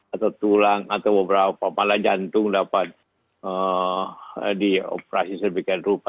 atau tulang atau beberapa pala jantung dapat dioperasi sedemikian rupa